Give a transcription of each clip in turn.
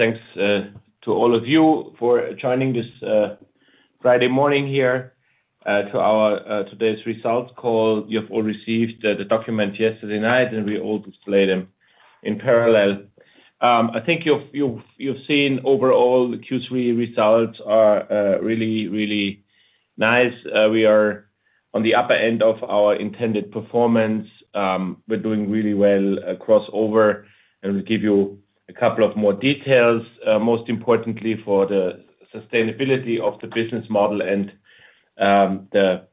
Thanks to all of you for joining this Friday morning here to our today's results call. You've all received the document yesterday night, and we all display them in parallel. I think you've seen overall the Q3 results are really nice. We are on the upper end of our intended performance. We're doing really well across over, and we'll give you a couple of more details. Most importantly for the sustainability of the business model and the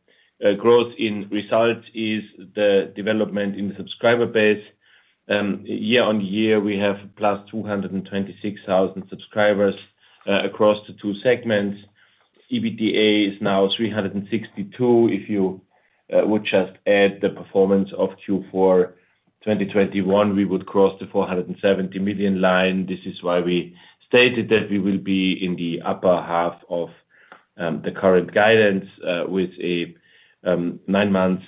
growth in results is the development in the subscriber base. Year on year, we have +226,000 subscribers across the two segments. EBITDA is now 362 million. If you would just add the performance of Q4 2021, we would cross the 470 million line. This is why we stated that we will be in the upper half of the current guidance with a nine months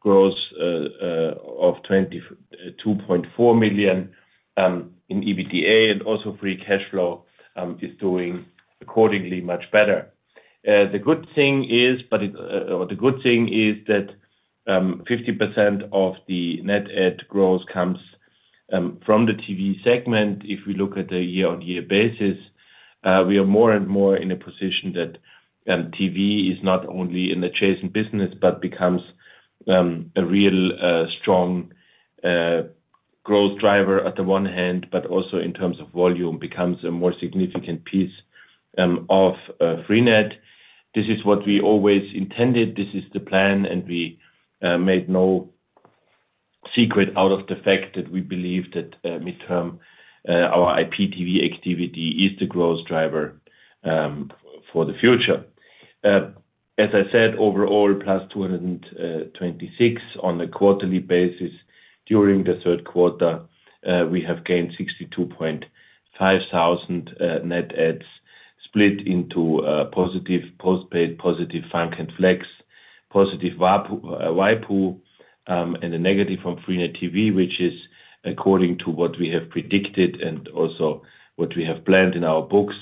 growth of 2.4 million in EBITDA, and also free cash flow is doing accordingly much better. The good thing is that 50% of the net add growth comes from the TV segment. If we look at a year-on-year basis, we are more and more in a position that TV is not only in the chasing business, but becomes a real strong growth driver on the one hand, but also in terms of volume, becomes a more significant piece of freenet. This is what we always intended. This is the plan, and we made no secret out of the fact that we believe that midterm our IPTV activity is the growth driver for the future. As I said, overall, +226 on a quarterly basis during the third quarter. We have gained 62,500 net adds split into positive postpaid, positive Funk and Flex, positive waipu.tv, and a negative from freenet TV, which is according to what we have predicted and also what we have planned in our books.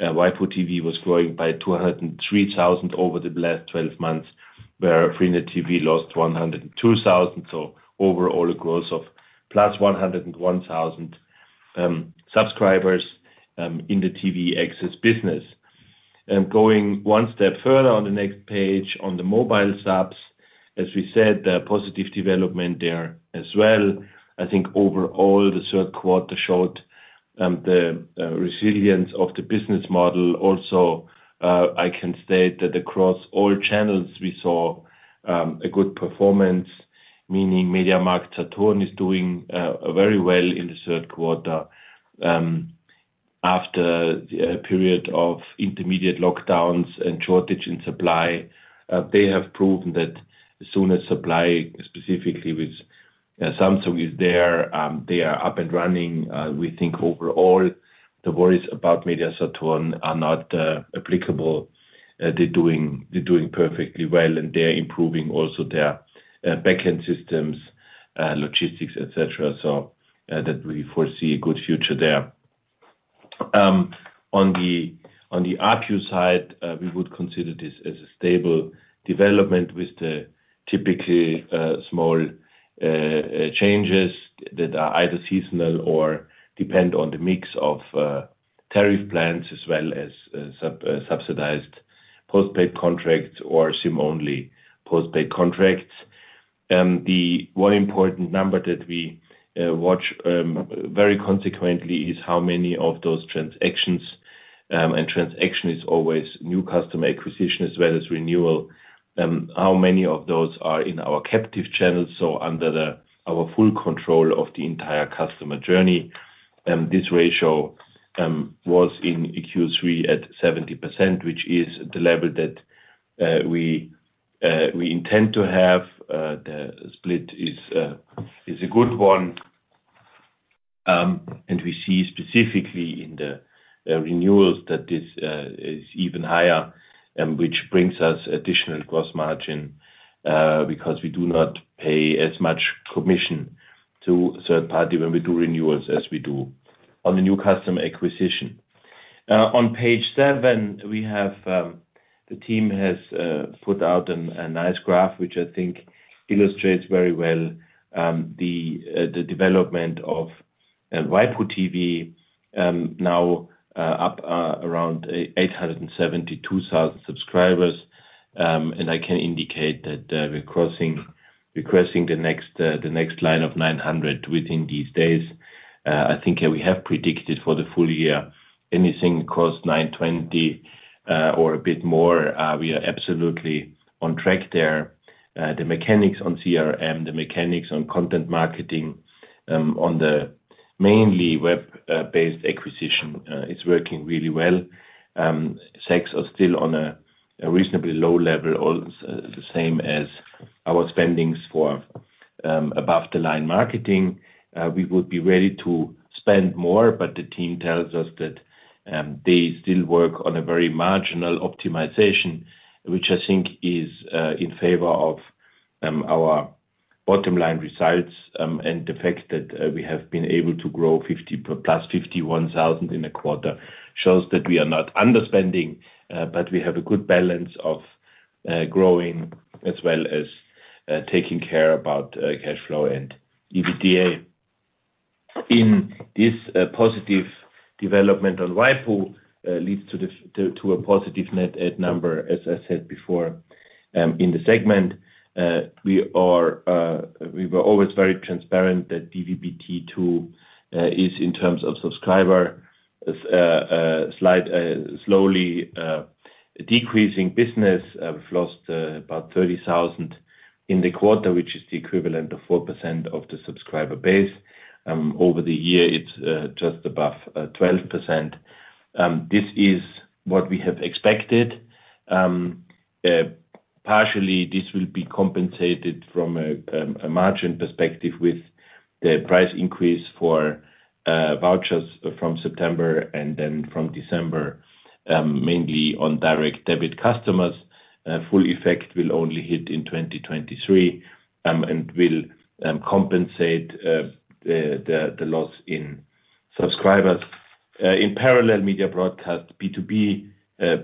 waipu.tv was growing by 203 thousand over the last twelve months, where freenet TV lost 102 thousand. Overall a growth of +101 thousand subscribers in the TV access business. Going one step further on the next page, on the mobile subs, as we said, a positive development there as well. I think overall the third quarter showed the resilience of the business model. Also, I can state that across all channels we saw a good performance, meaning MediaMarktSaturn is doing very well in the third quarter, after the period of intermediate lockdowns and shortage in supply. They have proven that as soon as supply, specifically with Samsung is there, they are up and running. We think overall the worries about MediaMarktSaturn are not applicable. They're doing perfectly well, and they're improving also their backend systems, logistics, et cetera. That we foresee a good future there. On the ARPU side, we would consider this as a stable development with the typically small changes that are either seasonal or depend on the mix of tariff plans, as well as subsidized postpaid contracts or SIM-only postpaid contracts. The one important number that we watch very consistently is how many of those transactions, and transaction is always new customer acquisition as well as renewal, how many of those are in our captive channels, so under our full control of the entire customer journey. This ratio was in Q3 at 70%, which is the level that we intend to have. The split is a good one. We see specifically in the renewals that this is even higher, which brings us additional gross margin, because we do not pay as much commission to third party when we do renewals as we do on the new customer acquisition. On page seven, the team has put out a nice graph, which I think illustrates very well the development of waipu.tv, now up around 872,000 subscribers. I can indicate that we're crossing the next line of 900 within these days. I think we have predicted for the full year anything across 920 or a bit more, we are absolutely on track there. The mechanics on CRM, the mechanics on content marketing, on the mainly web-based acquisition, is working really well. SACs are still on a reasonably low level, the same as our spending for above-the-line marketing. We would be ready to spend more, but the team tells us that they still work on a very marginal optimization, which I think is in favor of our bottom line results, and the fact that we have been able to grow 51,000 in a quarter shows that we are not underspending, but we have a good balance of growing as well as taking care about cash flow and EBITDA. This positive development on waipu leads to a positive net add number, as I said before. In the segment, we were always very transparent that DVB-T2 is in terms of subscribers slowly decreasing business. We've lost about 30,000 in the quarter, which is the equivalent of 4% of the subscriber base. Over the year, it's just above 12%. This is what we have expected. Partially this will be compensated from a margin perspective with the price increase for vouchers from September and then from December, mainly on direct debit customers. Full effect will only hit in 2023 and will compensate the loss in subscribers. In parallel Media Broadcast B2B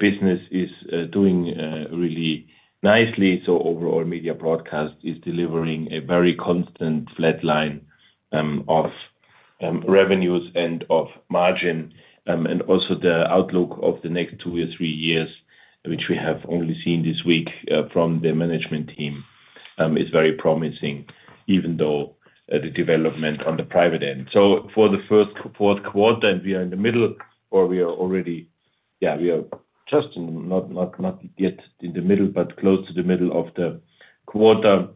business is doing really nicely. Overall, Media Broadcast is delivering a very constant flat line of revenues and of margin. Also the outlook of the next two or three years, which we have only seen this week from the management team, is very promising, even though the development on the private end. For the fourth quarter, we are in the middle. We are just not yet in the middle, but close to the middle of the quarter.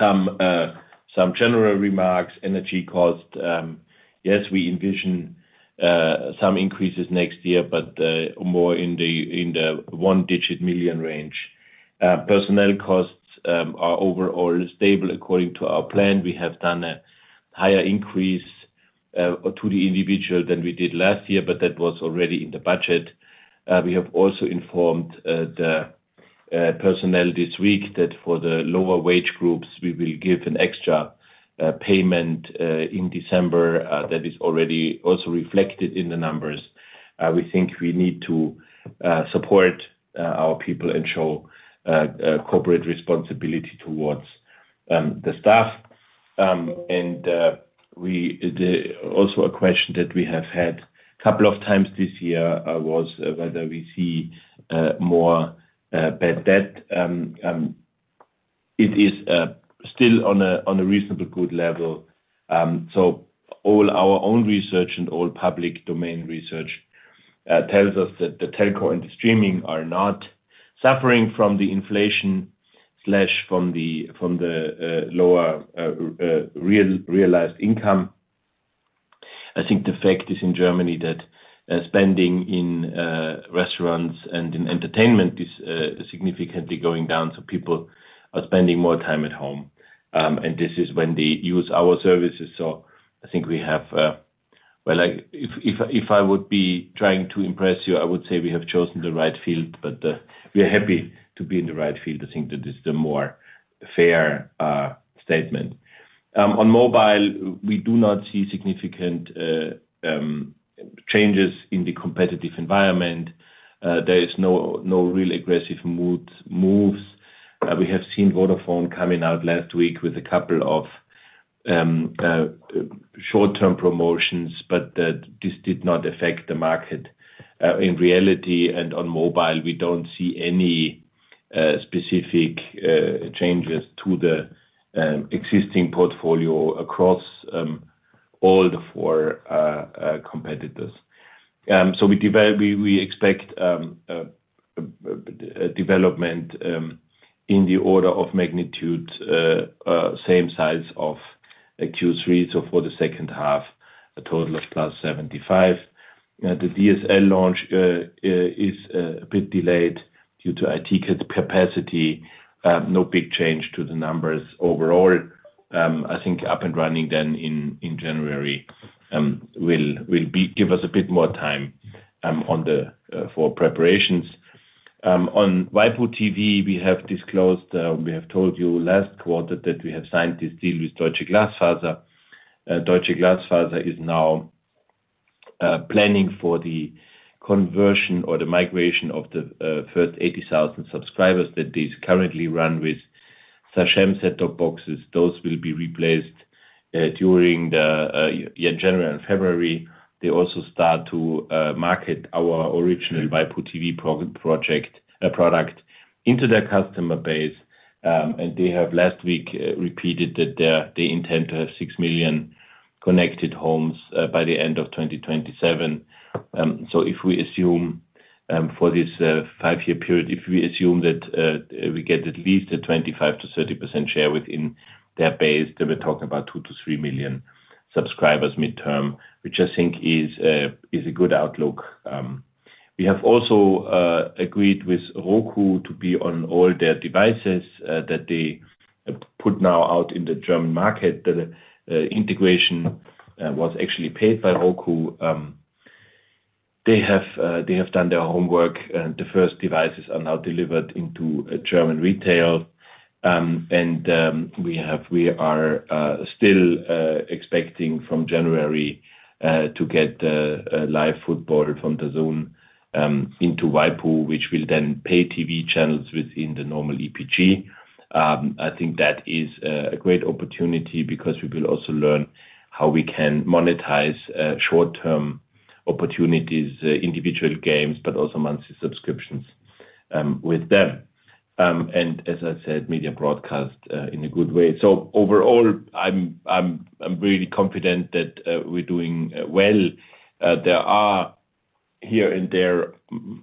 Some general remarks. Energy costs, yes, we envision some increases next year, but more in the 1-9 million range. Personnel costs are overall stable. According to our plan, we have done a higher increase to the individual than we did last year, but that was already in the budget. We have also informed the personnel this week that for the lower wage groups, we will give an extra payment in December. That is already also reflected in the numbers. We think we need to support our people and show corporate responsibility towards the staff. Also a question that we have had couple of times this year was whether we see more bad debt. It is still on a reasonably good level. All our own research and all public domain research tells us that the telco and the streaming are not suffering from the inflation, from the lower realized income. I think the fact is in Germany that spending in restaurants and in entertainment is significantly going down, so people are spending more time at home. This is when they use our services. I think we have. Well, if I would be trying to impress you, I would say we have chosen the right field, but we are happy to be in the right field. I think that is the more fair statement. On mobile, we do not see significant changes in the competitive environment. There is no real aggressive moves. We have seen Vodafone coming out last week with a couple of short-term promotions, but this did not affect the market. In reality and on mobile, we don't see any specific changes to the existing portfolio across all the four competitors. We expect a development in the order of magnitude same size of Q3. For the second half, a total of +75. The DSL launch is a bit delayed due to IT capacity. No big change to the numbers overall. I think up and running then in January will be. Give us a bit more time for preparations. On waipu.tv, we have disclosed we have told you last quarter that we have signed this deal with Deutsche Glasfaser. Deutsche Glasfaser is now planning for the conversion or the migration of the first 80,000 subscribers that they currently run with Sagemcom set-top boxes. Those will be replaced during January and February. They also start to market our original waipu.tv project product into their customer base. They have last week repeated that they intend to have 6 million connected homes by the end of 2027. If we assume for this five-year period that we get at least a 25%-30% share within their base, then we're talking about 2-3 million subscribers mid-term, which I think is a good outlook. We have also agreed with Roku to be on all their devices that they put now out in the German market. The integration was actually paid by Roku. They have done their homework. The first devices are now delivered into a German retail. We are still expecting from January to get live football from DAZN into waipu.tv, which will then pay TV channels within the normal EPG. I think that is a great opportunity because we will also learn how we can monetize short-term opportunities, individual games, but also monthly subscriptions with them. As I said, Media Broadcast in a good way. Overall, I'm really confident that we're doing well. There are here and there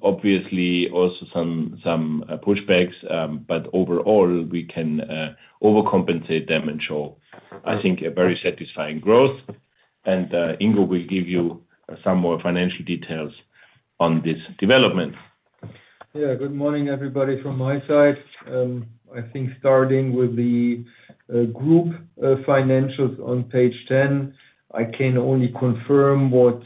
obviously also some pushbacks, but overall, we can overcompensate them and show, I think, a very satisfying growth. Ingo will give you some more financial details on this development. Yeah. Good morning, everybody, from my side. I think starting with the group financials on page 10, I can only confirm what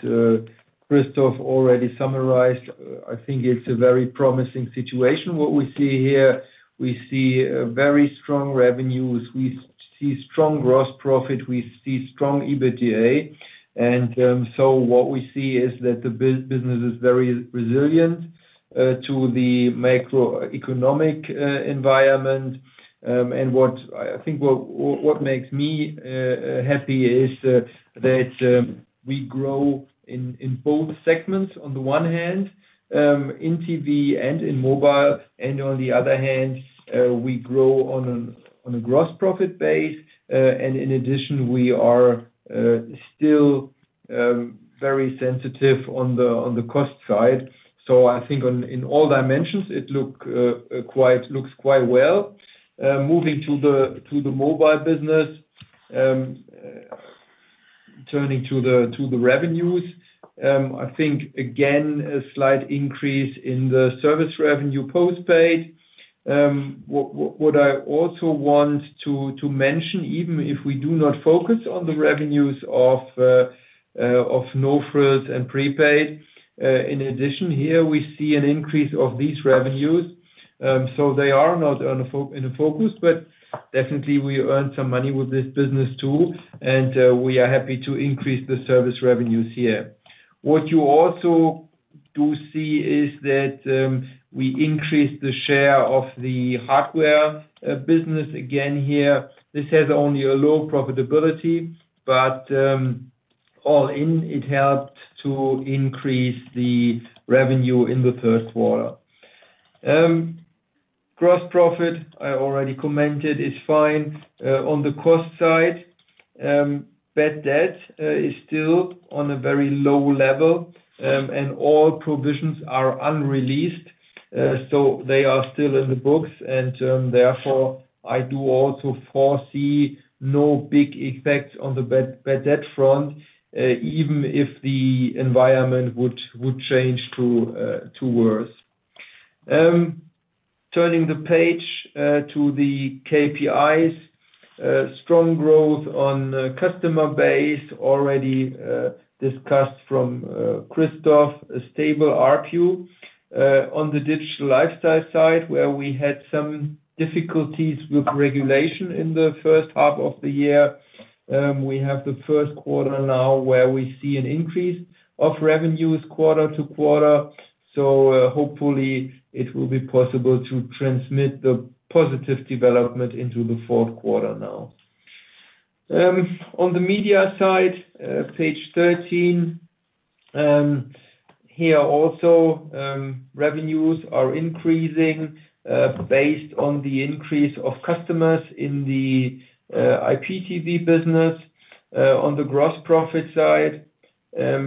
Christoph already summarized. I think it's a very promising situation. What we see here is a very strong revenues. We see strong gross profit. We see strong EBITDA. What we see is that the business is very resilient to the macroeconomic environment. What makes me happy is that we grow in both segments, on the one hand, in TV and in mobile, and on the other hand, we grow on a gross profit base. In addition, we are still very sensitive on the cost side. I think in all dimensions, it looks quite well. Moving to the mobile business, turning to the revenues, I think again, a slight increase in the service revenue postpaid. What I also want to mention, even if we do not focus on the revenues of no-frills and prepaid, in addition here, we see an increase of these revenues. So they are not in a focus, but definitely we earn some money with this business too, and we are happy to increase the service revenues here. What you also do see is that we increase the share of the hardware business again here. This has only a low profitability, but all in, it helped to increase the revenue in the first quarter. Gross profit, I already commented, is fine. On the cost side, bad debt is still on a very low level, and all provisions are unreleased, so they are still in the books, and therefore, I do also foresee no big effect on the bad debt front, even if the environment would change to worse. Turning the page to the KPIs, strong growth on customer base already discussed from Christoph, a stable ARPU on the Digital Lifestyle side, where we had some difficulties with regulation in the first half of the year. We have the first quarter now where we see an increase of revenues quarter to quarter. Hopefully it will be possible to transmit the positive development into the fourth quarter now. On the media side, page 13, here also, revenues are increasing based on the increase of customers in the IPTV business on the gross profit side. Let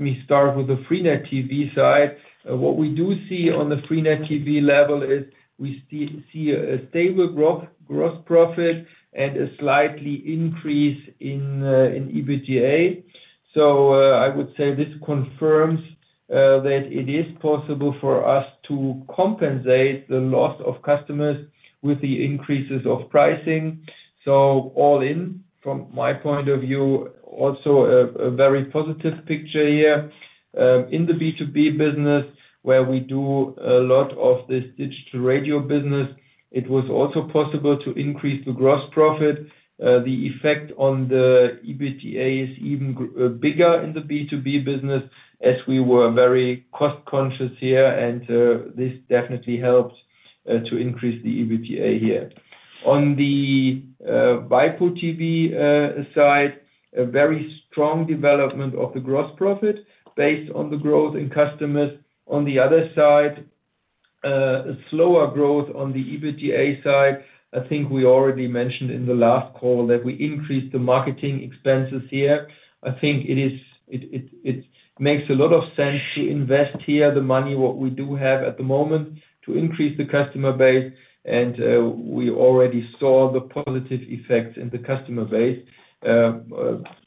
me start with the freenet TV side. What we do see on the freenet TV level is we see a stable gross profit and a slight increase in EBITDA. I would say this confirms that it is possible for us to compensate the loss of customers with the increases of pricing. All in, from my point of view, also a very positive picture here. In the B2B business, where we do a lot of this digital radio business, it was also possible to increase the gross profit. The effect on the EBITDA is even bigger in the B2B business, as we were very cost-conscious here, and this definitely helped to increase the EBITDA here. On the waipu.tv side, a very strong development of the gross profit based on the growth in customers. On the other side, a slower growth on the EBITDA side. I think we already mentioned in the last call that we increased the marketing expenses here. I think it makes a lot of sense to invest here the money what we do have at the moment to increase the customer base, and we already saw the positive effects in the customer base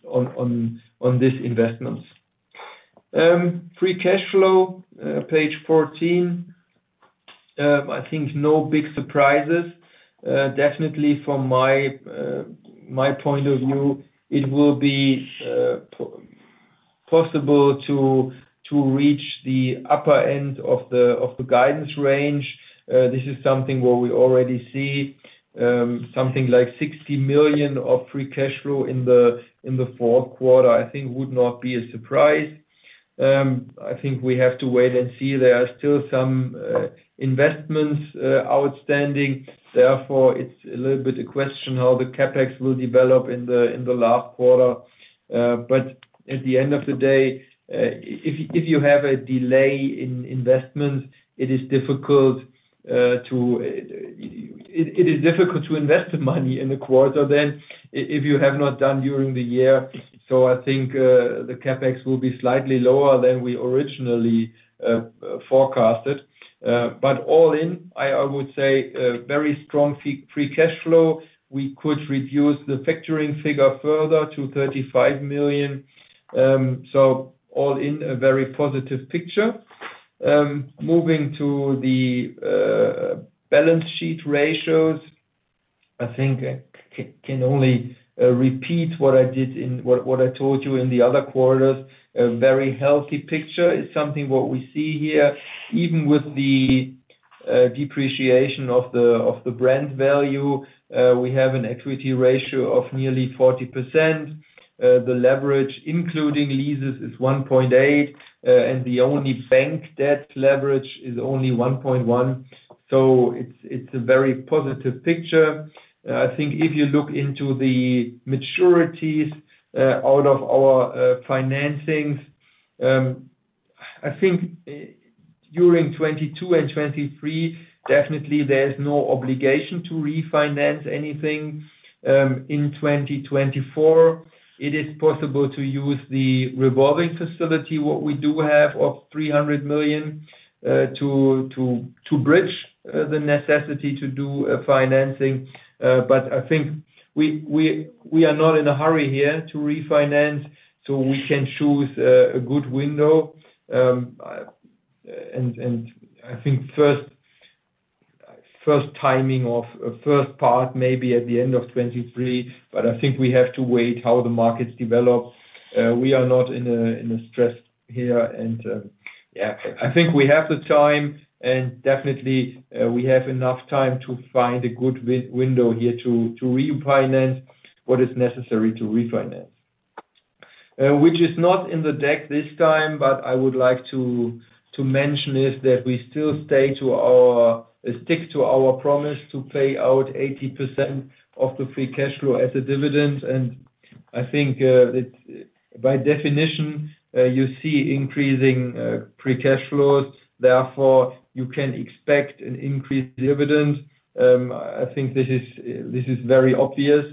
on this investment. Free cash flow, page 14. I think no big surprises. Definitely from my point of view, it will be possible to reach the upper end of the guidance range. This is something where we already see something like 60 million of free cash flow in the fourth quarter, I think would not be a surprise. I think we have to wait and see. There are still some investments outstanding, therefore it's a little bit a question how the CapEx will develop in the last quarter. At the end of the day, if you have a delay in investment, it is difficult to invest the money in the quarter then if you have not done during the year. I think the CapEx will be slightly lower than we originally forecasted. All in, I would say a very strong free cash flow. We could reduce the factoring figure further to 35 million. All in a very positive picture. Moving to the balance sheet ratios, I think I can only repeat what I told you in the other quarters. A very healthy picture is something what we see here. Even with the depreciation of the brand value, we have an equity ratio of nearly 40%. The leverage including leases is 1.8, and the only bank debt leverage is only 1.1. It's a very positive picture. I think if you look into the maturities out of our financings, I think during 2022 and 2023, definitely there is no obligation to refinance anything. In 2024, it is possible to use the revolving facility, what we do have of 300 million, to bridge the necessity to do a financing. But I think we are not in a hurry here to refinance, so we can choose a good window. I think first timing of first part may be at the end of 2023, but I think we have to wait how the markets develop. We are not in a stress here and yeah. I think we have the time, and definitely we have enough time to find a good window here to refinance what is necessary to refinance. Which is not in the deck this time, but I would like to mention is that we still stick to our. Stick to our promise to pay out 80% of the free cash flow as a dividend. I think it's by definition you see increasing free cash flows, therefore you can expect an increased dividend. I think this is very obvious.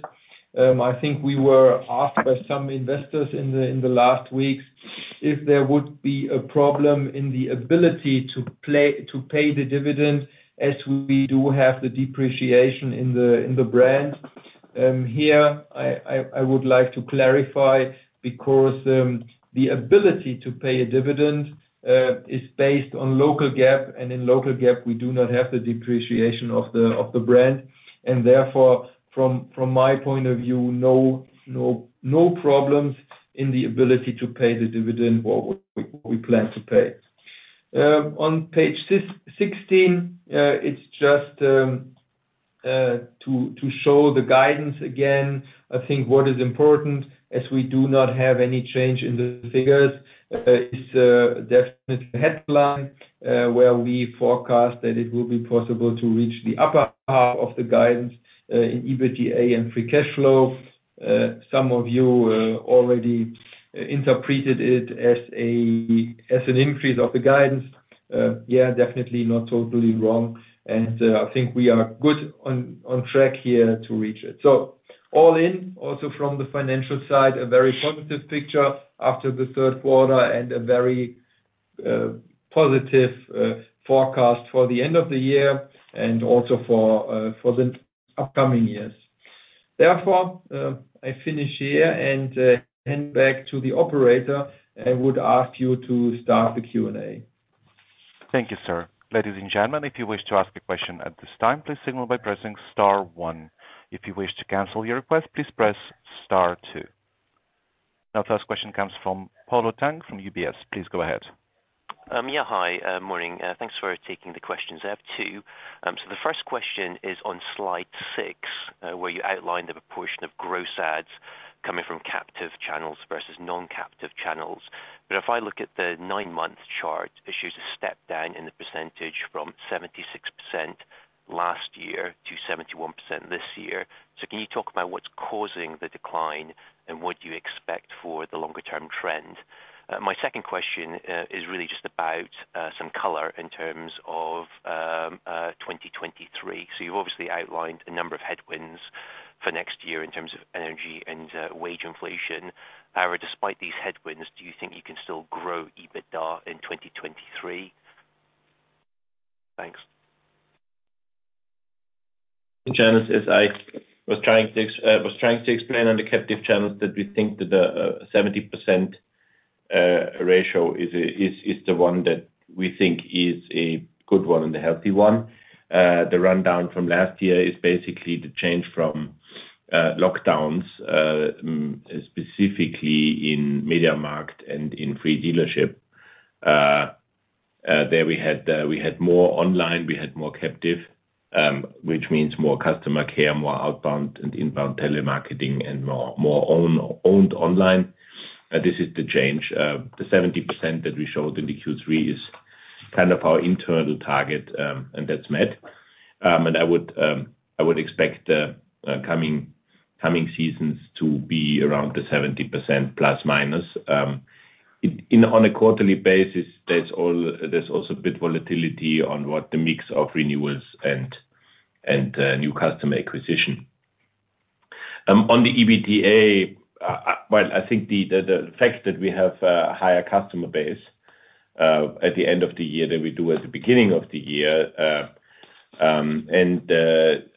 I think we were asked by some investors in the last weeks if there would be a problem in the ability to pay the dividend as we do have the depreciation in the brand. Here I would like to clarify because the ability to pay a dividend is based on local GAAP, and in local GAAP, we do not have the depreciation of the brand. Therefore, from my point of view, no problems in the ability to pay the dividend what we plan to pay. On page 16, it's just to show the guidance again. I think what is important, as we do not have any change in the figures, is a definite headline, where we forecast that it will be possible to reach the upper half of the guidance in EBITDA and free cash flow. Some of you already interpreted it as an increase of the guidance. Yeah, definitely not totally wrong. I think we are good on track here to reach it. All in, also from the financial side, a very positive picture after the third quarter and a very positive forecast for the end of the year and also for the upcoming years. Therefore, I finish here and hand back to the operator and would ask you to start the Q&A. Thank you, sir. Ladies and gentlemen, if you wish to ask a question at this time, please signal by pressing star one. If you wish to cancel your request, please press star two. Our first question comes from Polo Tang from UBS. Please go ahead. Yeah. Hi, morning. Thanks for taking the questions. I have two. The first question is on slide six, where you outlined the proportion of gross adds coming from captive channels versus non-captive channels. If I look at the nine-month chart, it shows a step down in the percentage from 76% last year to 71% this year. Can you talk about what's causing the decline and what you expect for the longer-term trend? My second question is really just about some color in terms of 2023. You've obviously outlined a number of headwinds for next year in terms of energy and wage inflation. Despite these headwinds, do you think you can still grow EBITDA in 2023? Thanks. The channels as I was trying to explain on the captive channels that we think that the 70% ratio is the one that we think is a good one and a healthy one. The rundown from last year is basically the change from lockdowns, specifically in MediaMarkt and in freenet dealership. There we had more online, we had more captive, which means more customer care, more outbound and inbound telemarketing, and more owned online. This is the change. The 70% that we showed in the Q3 is kind of our internal target, and that's met. I would expect the coming seasons to be around the 70%±. On a quarterly basis there's also a bit volatility on what the mix of renewals and new customer acquisition. On the EBITDA, well, I think the fact that we have a higher customer base at the end of the year than we do at the beginning of the year and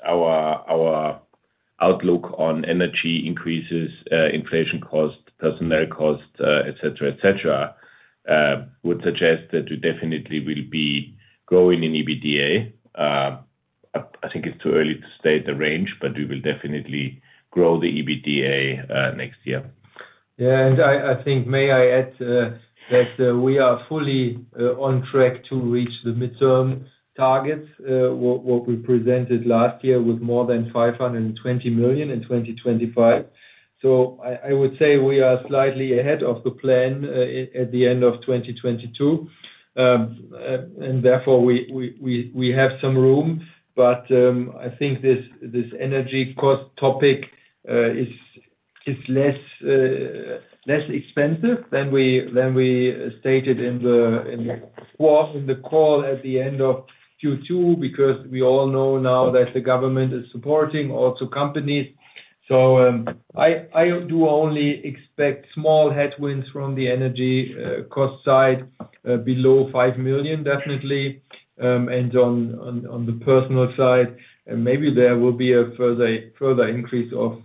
our outlook on energy increases, inflation costs, personnel costs, etc. would suggest that we definitely will be growing in EBITDA. I think it's too early to state the range, but we will definitely grow the EBITDA next year. Yeah. I think may I add that we are fully on track to reach the midterm targets what we presented last year with more than 520 million in 2025. I would say we are slightly ahead of the plan at the end of 2022. Therefore we have some room. I think this energy cost topic is less expensive than we stated in the call at the end of Q2, because we all know now that the government is supporting also companies. I do only expect small headwinds from the energy cost side below 5 million definitely. On the personal side, maybe there will be a further increase of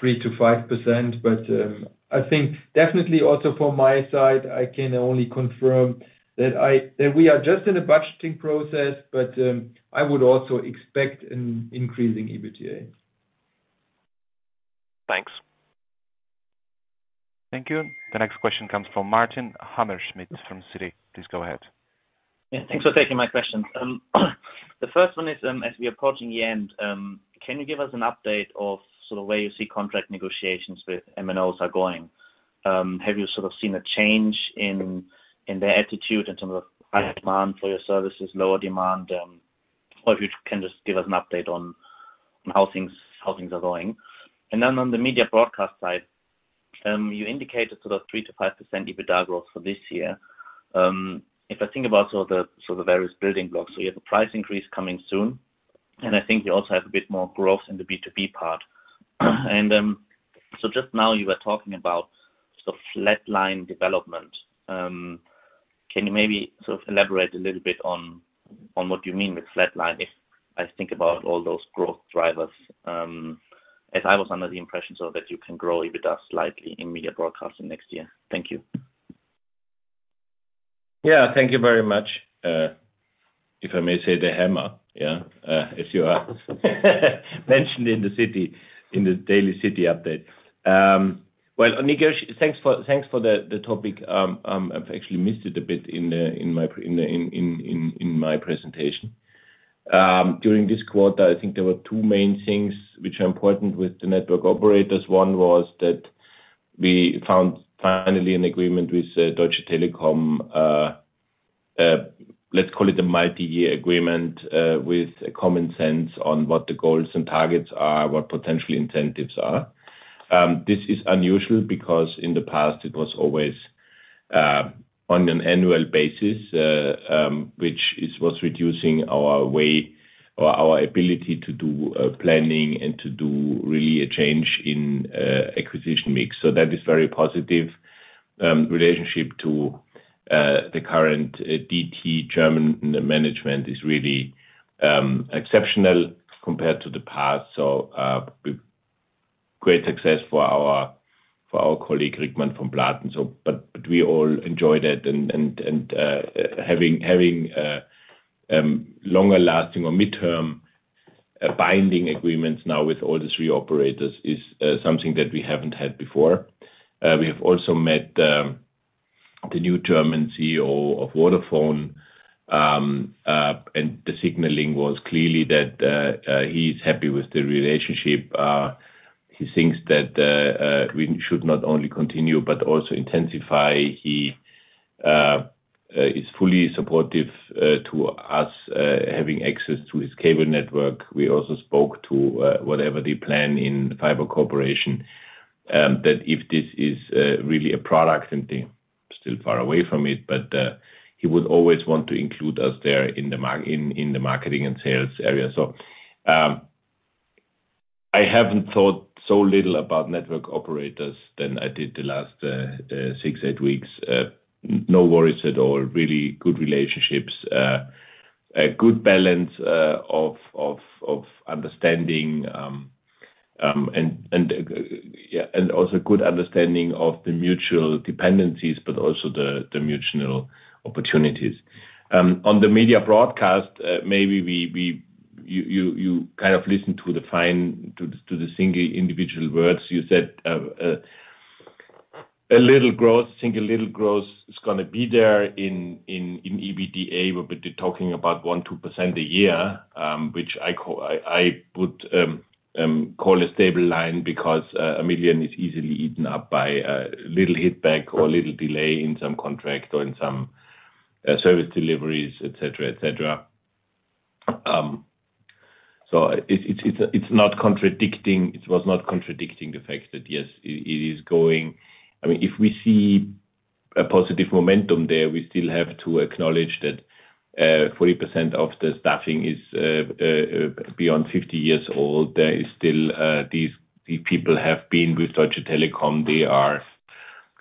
3%-5%. I think definitely also from my side, I can only confirm that we are just in a budgeting process, but I would also expect an increasing EBITDA. Thanks. Thank you. The next question comes from Martin Hammerschmidt from Citi. Please go ahead. Yeah, thanks for taking my question. The first one is, as we're approaching the end, can you give us an update of sort of where you see contract negotiations with MNOs are going? Have you sort of seen a change in their attitude in terms of higher demand for your services, lower demand, or if you can just give us an update on how things are going. On the Media Broadcast side, you indicated sort of 3%-5% EBITDA growth for this year. If I think about sort of the various building blocks, we have a price increase coming soon, and I think we also have a bit more growth in the B2B part. Just now you were talking about sort of flatline development. Can you maybe sort of elaborate a little bit on what you mean with flatline, if I think about all those growth drivers, as I was under the impression so that you can grow EBITDA slightly in Media Broadcast next year. Thank you. Yeah. Thank you very much. If I may say the hammer, yeah, as you mentioned in the daily Citi update. Well, thanks for the topic. I've actually missed it a bit in my presentation. During this quarter, I think there were two main things which are important with the network operators. One was that we found finally an agreement with Deutsche Telekom, let's call it a multi-year agreement, with a common sense on what the goals and targets are, what potential incentives are. This is unusual because in the past it was always on an annual basis, which was reducing our way or our ability to do planning and to do really a change in acquisition mix. That is very positive relationship to the current Deutsche Telekom German management is really exceptional compared to the past. Great success for our colleague, Rickmann von Platen. We all enjoyed it and having longer lasting or midterm binding agreements now with all the three operators is something that we haven't had before. We have also met the new German CEO of Vodafone and the signaling was clearly that he's happy with the relationship. He thinks that we should not only continue but also intensify. He is fully supportive to us having access to his cable network. We also spoke to whatever the plan in fiber corporation that if this is really a product and they still far away from it, but he would always want to include us there in the marketing and sales area. I haven't thought so little about network operators than I did the last six to eigh weeks. No worries at all. Really good relationships. A good balance of understanding and also good understanding of the mutual dependencies, but also the mutual opportunities. On the Media Broadcast, maybe you kind of listen to the single individual words. You said a little growth is gonna be there in EBITDA. We'll be talking about 1-2% a year, which I would call a stable line because 1 million is easily eaten up by a little setback or a little delay in some contract or in some service deliveries, et cetera. It's not contradicting. It was not contradicting the fact that if we see a positive momentum there, we still have to acknowledge that 40% of the staffing is beyond 50 years old. There is still these people have been with Deutsche Telekom. They are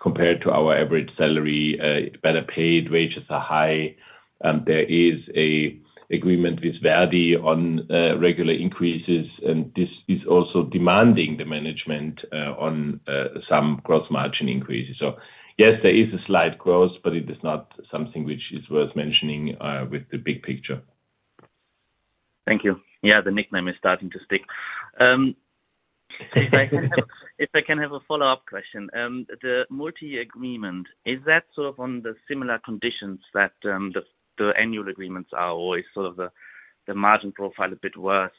compared to our average salary, better paid, wages are high, and there is a agreement with ver.di on regular increases, and this is also demanding the management on some gross margin increases. Yes, there is a slight growth, but it is not something which is worth mentioning with the big picture. Thank you. Yeah, the nickname is starting to stick. If I can have a follow-up question. The multi agreement, is that sort of on the similar conditions that the annual agreements are or is sort of the margin profile a bit worse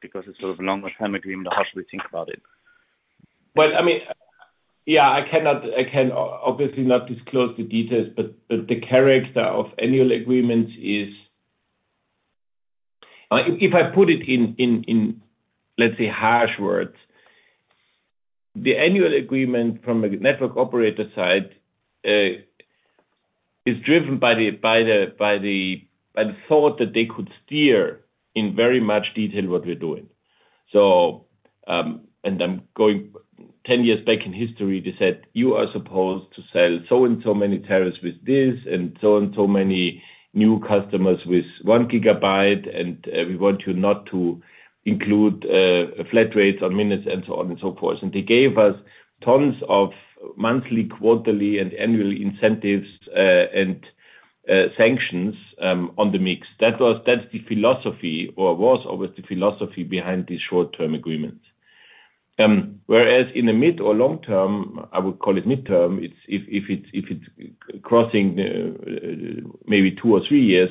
because it's sort of a longer-term agreement? Or how should we think about it? Well, I mean, yeah. I can obviously not disclose the details, but the character of annual agreements is. If I put it in, let's say, harsh words. The annual agreement from a network operator side is driven by the thought that they could steer in very much detail what we're doing. I'm going 10 years back in history. They said, "You are supposed to sell so and so many tariffs with this and so and so many new customers with 1 GB, and we want you not to include flat rates on minutes," and so on and so forth. They gave us tons of monthly, quarterly, and annual incentives and sanctions on the mix. That was. That's the philosophy or was always the philosophy behind these short-term agreements. Whereas in the mid or long term, I would call it mid-term, it's if it's crossing maybe two or three years,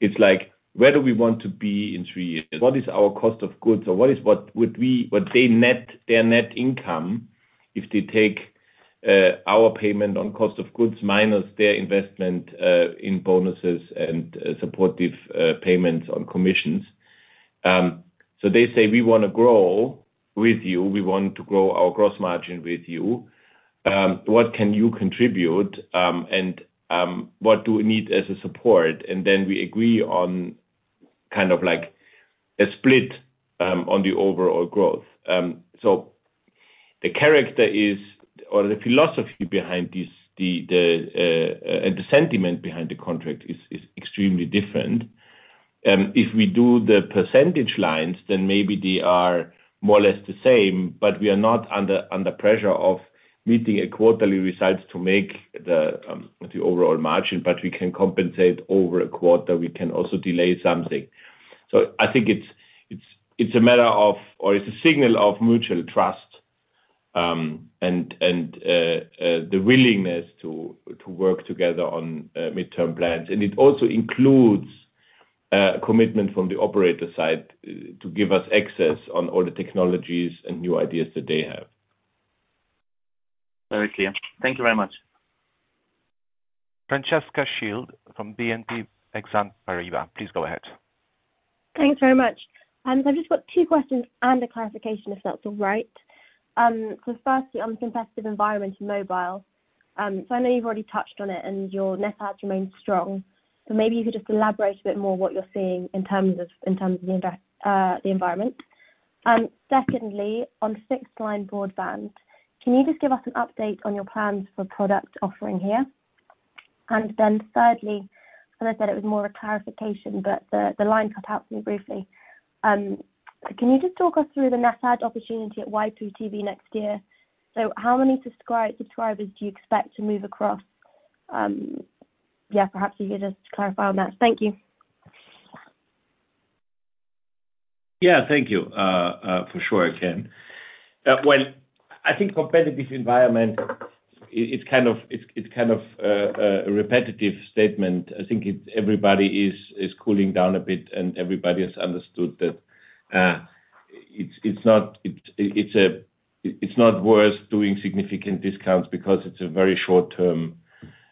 it's like, where do we want to be in three years? What is our cost of goods or what would they net, their net income if they take our payment on cost of goods minus their investment in bonuses and supportive payments on commissions. So they say, "We wanna grow with you. We want to grow our gross margin with you. What can you contribute? And what do we need as a support?" Then we agree on kind of like a split on the overall growth. So the character is or the philosophy behind this, the and the sentiment behind the contract is extremely different. If we do the percentage lines, then maybe they are more or less the same, but we are not under pressure of meeting a quarterly result to make the overall margin, but we can compensate over a quarter. We can also delay something. I think it's a matter of or it's a signal of mutual trust, and the willingness to work together on midterm plans. It also includes commitment from the operator side to give us access on all the technologies and new ideas that they have. Very clear. Thank you very much. Francesca Shield from BNP Paribas Exane, please go ahead. Thanks very much. I've just got two questions and a clarification, if that's all right. Firstly on competitive environment mobile, I know you've already touched on it and your net adds remain strong. Maybe you could just elaborate a bit more what you're seeing in terms of the environment. Secondly, on fixed line broadband, can you just give us an update on your plans for product offering here? Then thirdly, as I said, it was more a clarification, but the line cut out for me briefly. Can you just talk us through the net add opportunity at waipu.tv next year? How many subscribers do you expect to move across? Yeah, perhaps you could just clarify on that. Thank you. Yeah. Thank you. For sure I can. Well, I think competitive environment, it's kind of a repetitive statement. I think everybody is cooling down a bit, and everybody has understood that it's not worth doing significant discounts because it's a very short-term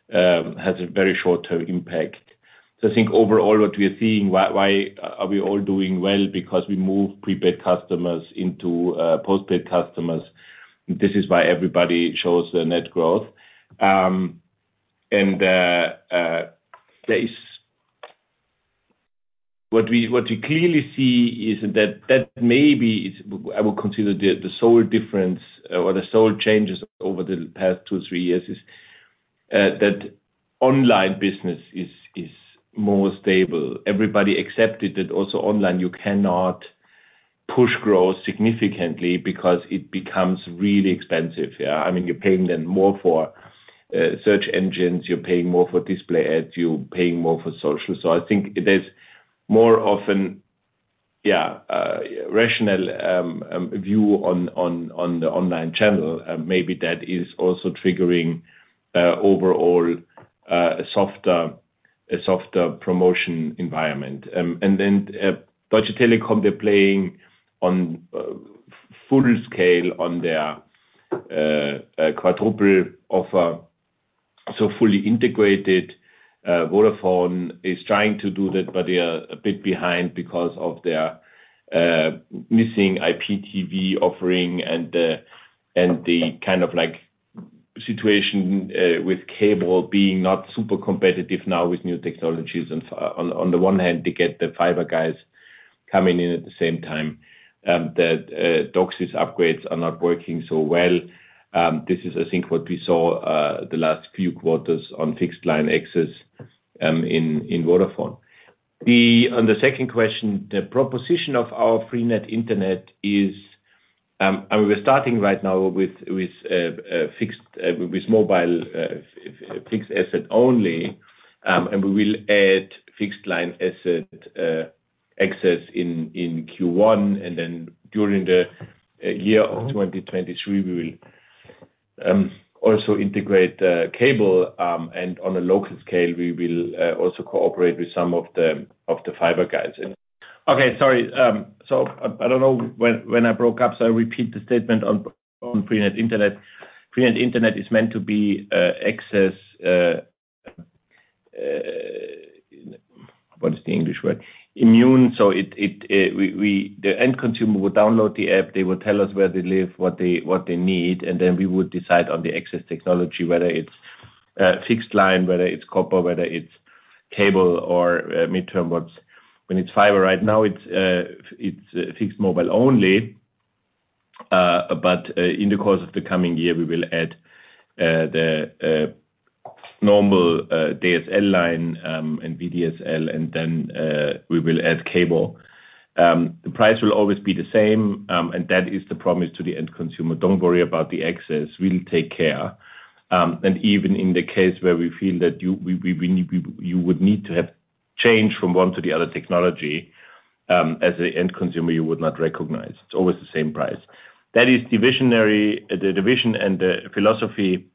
impact. So I think overall, what we are seeing, why are we all doing well? Because we move prepaid customers into postpaid customers. This is why everybody shows the net growth. There is what we clearly see is that maybe is, I would consider the sole difference or the sole changes over the past two, three years is that online business is more stable. Everybody accepted that also online, you cannot push growth significantly because it becomes really expensive. I mean, you're paying them more for search engines, you're paying more for display ads, you're paying more for social. I think there's more often rational view on the online channel. Maybe that is also triggering overall a softer promotion environment. Deutsche Telekom, they're playing on full scale on their quad-play offer, so fully integrated. Vodafone is trying to do that, but they are a bit behind because of their missing IPTV offering and the kind of like situation with cable being not super competitive now with new technologies. On the one hand, they get the fiber guys coming in at the same time, that DOCSIS upgrades are not working so well. This is, I think, what we saw the last few quarters on fixed line access in Vodafone. On the second question, the proposition of our freenet Internet is, and we're starting right now with mobile fixed asset only. We will add fixed line asset access in Q1. Then during the year of 2023, we will also integrate cable, and on a local scale, we will also cooperate with some of the fiber guys. I don't know when I broke up, so I repeat the statement on freenet Internet. freenet Internet is meant to be access agnostic. The end consumer will download the app. They will tell us where they live, what they need, and then we would decide on the access technology, whether it's fixed line, whether it's copper, whether it's cable or mid-term 5G. When it's fiber right now, it's fixed mobile only. In the course of the coming year, we will add the normal DSL line, and VDSL and then we will add cable. The price will always be the same. That is the promise to the end consumer. Don't worry about the access. We'll take care. Even in the case where we feel that you would need to have change from one to the other technology, as an end consumer, you would not recognize. It's always the same price. That is the vision and the philosophy.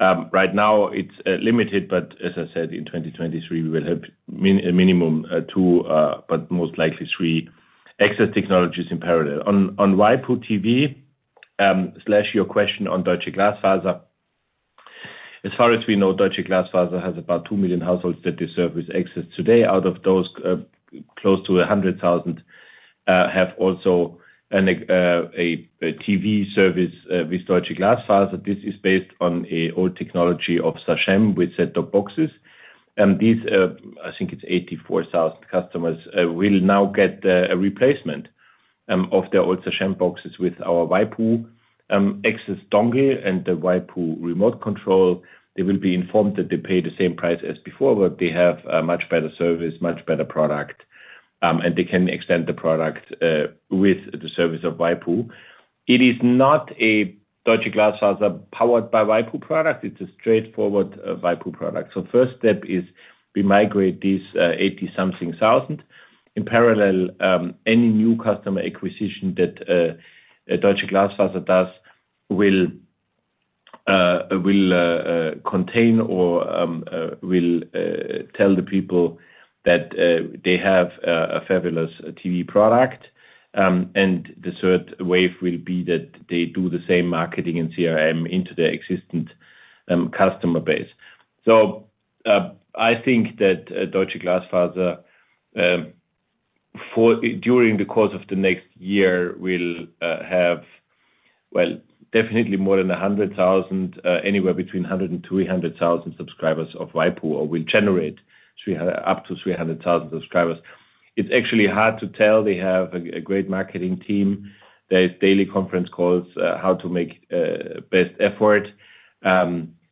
Right now it's limited, but as I said, in 2023, we will have a minimum two, but most likely three exit technologies in parallel. On waipu.tv, slash your question on Deutsche Glasfaser. As far as we know, Deutsche Glasfaser has about 2 million households that they serve with access today. Out of those, close to 100,000 have also a TV service with Deutsche Glasfaser. This is based on an old technology of Sagemcom with set-top boxes. These, I think it's 84,000 customers, will now get a replacement of their old Sagemcom boxes with our waipu access dongle and the waipu remote control. They will be informed that they pay the same price as before, but they have a much better service, much better product, and they can extend the product with the service of waipu. It is not a Deutsche Glasfaser powered by waipu product. It's a straightforward waipu product. First step is we migrate these 80-something thousand. In parallel, any new customer acquisition that Deutsche Glasfaser does will tell the people that they have a fabulous TV product. The third wave will be that they do the same marketing and CRM into their existing customer base. I think that Deutsche Glasfaser during the course of the next year will have well, definitely more than 100,000 anywhere between 100,000 and 300,000 subscribers of waipu.tv or will generate up to 300,000 subscribers. It's actually hard to tell. They have a great marketing team. There's daily conference calls how to make best effort.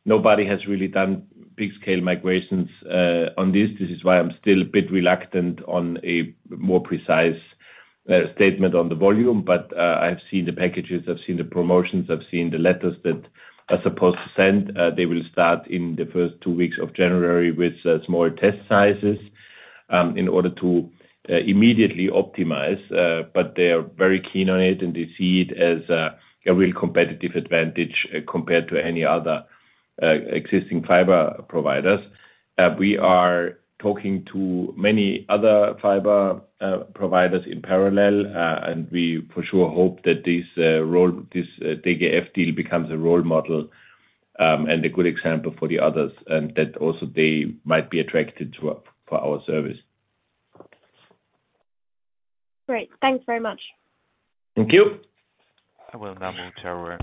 Nobody has really done big scale migrations on this. This is why I'm still a bit reluctant on a more precise statement on the volume. I've seen the packages, I've seen the promotions, I've seen the letters that are supposed to send. They will start in the first two weeks of January with small test sizes in order to immediately optimize. They are very keen on it, and they see it as a real competitive advantage compared to any other existing fiber providers. We are talking to many other fiber providers in parallel. We for sure hope that this DGF deal becomes a role model and a good example for the others, and that also they might be attracted to our service. Great. Thanks very much. Thank you. I will now move to our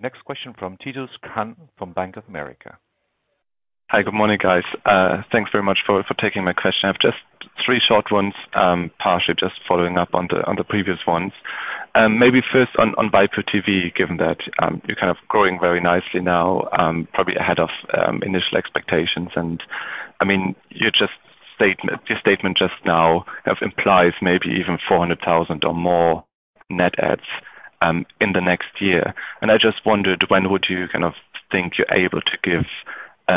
next question from Titus Krahn from Bank of America. Hi, good morning, guys. Thanks very much for taking my question. I have just three short ones, partially just following up on the previous ones. Maybe first on waipu.tv, given that you're kind of growing very nicely now, probably ahead of initial expectations. I mean, your statement just now have implies maybe even 400,000 or more net adds in the next year. I just wondered, when would you kind of think you're able to give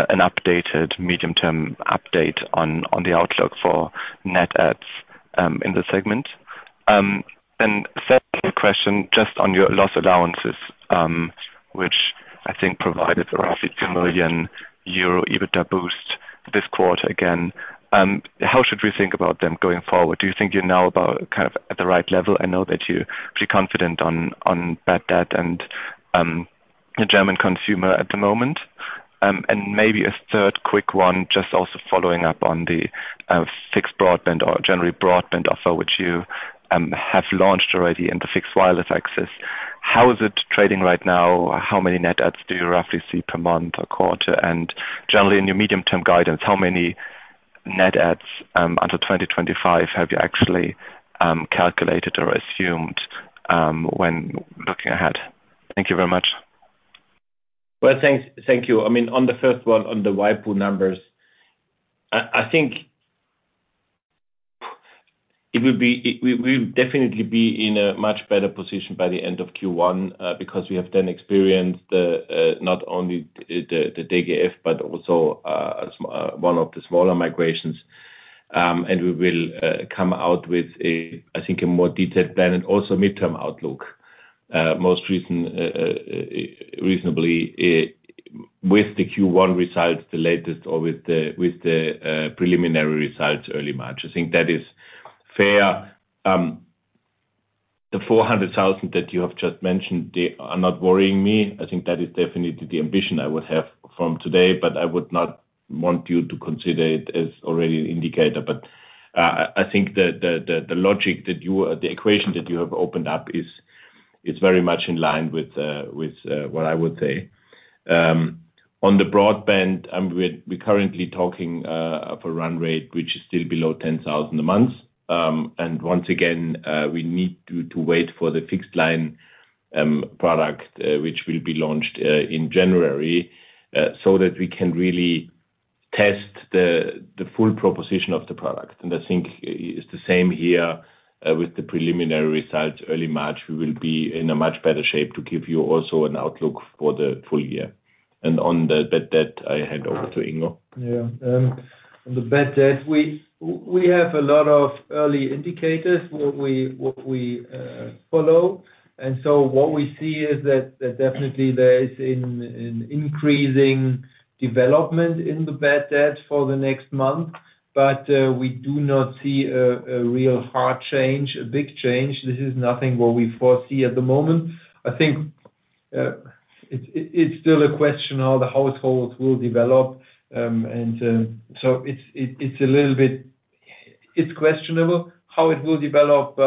an updated medium-term update on the outlook for net adds in the segment? Second question, just on your loss allowances, which I think provided roughly 2 million euro EBITDA boost this quarter again. How should we think about them going forward? Do you think you're now about kind of at the right level? I know that you're pretty confident on bad debt and the German consumer at the moment. Maybe a third quick one, just also following up on the fixed broadband or generally broadband offer, which you have launched already in the fixed wireless access. How is it trading right now? How many net adds do you roughly see per month or quarter? Generally, in your medium-term guidance, how many net adds until 2025 have you actually calculated or assumed when looking ahead? Thank you very much. Well, thanks. Thank you. I mean, on the first one, on the waipu numbers, I think it will be. We will definitely be in a much better position by the end of Q1, because we have then experienced not only the DGF, but also one of the smaller migrations. We will come out with a, I think, a more detailed plan and also midterm outlook, reasonably, with the Q1 results the latest or with the preliminary results early March. I think that is fair. The 400,000 that you have just mentioned, they are not worrying me. I think that is definitely the ambition I would have from today, but I would not want you to consider it as already an indicator. I think the equation that you have opened up is very much in line with what I would say. On the broadband, we're currently talking of a run rate, which is still below 10,000 a month. Once again, we need to wait for the fixed line product, which will be launched in January, so that we can really test the full proposition of the product. I think it's the same here with the preliminary results early March. We will be in a much better shape to give you also an outlook for the full year. On the bad debt, I hand over to Ingo. Yeah. On the bad debt, we have a lot of early indicators what we follow. What we see is that definitely there is an increasing development in the bad debt for the next month. We do not see a real hard change, a big change. This is nothing what we foresee at the moment. I think it's still a question how the households will develop. It's a little bit questionable how it will develop.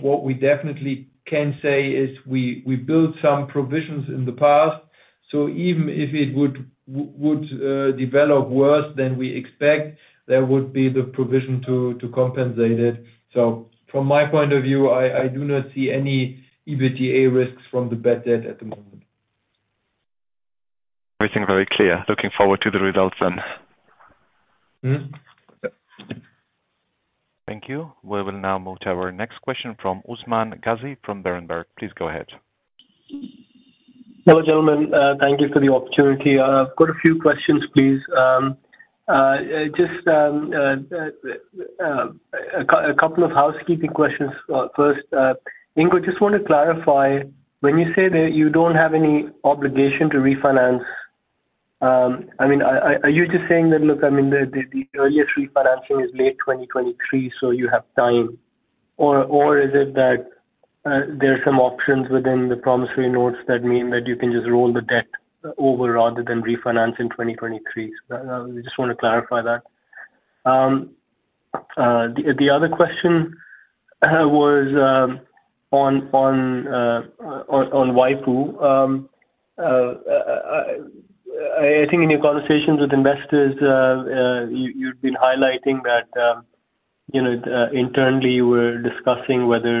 What we definitely can say is we built some provisions in the past, so even if it would develop worse than we expect, there would be the provision to compensate it. From my point of view, I do not see any EBITDA risks from the bad debt at the moment. Everything very clear. Looking forward to the results then. Mm-hmm. Thank you. We will now move to our next question from Usman Ghazi from Berenberg. Please go ahead. Hello, gentlemen. Thank you for the opportunity. I've got a few questions, please. Just a couple of housekeeping questions. First, Ingo, just want to clarify, when you say that you don't have any obligation to refinance, I mean, are you just saying that, look, I mean, the earliest refinancing is late 2023, so you have time? Or is it that there are some options within the promissory notes that mean that you can just roll the debt over rather than refinance in 2023? So I just want to clarify that. The other question was on waipu.tv. I think in your conversations with investors, you’ve been highlighting that, you know, internally you were discussing whether,